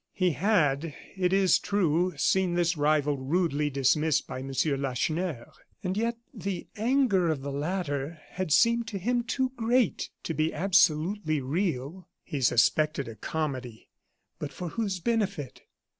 He had, it is true, seen this rival rudely dismissed by M. Lacheneur; and yet the anger of the latter had seemed to him too great to be absolutely real. He suspected a comedy, but for whose benefit?